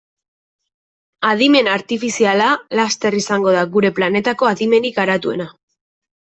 Adimen artifiziala laster izango da gure planetako adimenik garatuena.